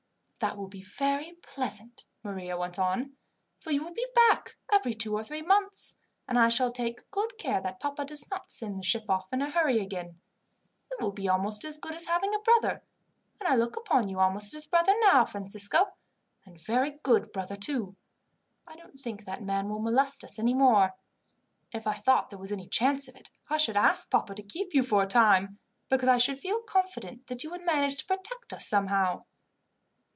"That will be very pleasant," Maria went on; "for you will be back every two or three months, and I shall take good care that papa does not send the ship off in a hurry again. It will be almost as good as having a brother; and I look upon you almost as a brother now, Francisco and a very good brother, too. I don't think that man will molest us any more. If I thought there was any chance of it, I should ask papa to keep you for a time, because I should feel confident that you would manage to protect us somehow."